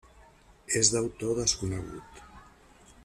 És d'autor desconegut.